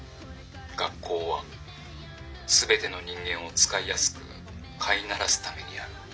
「学校は全ての人間を使いやすく飼いならすためにある」。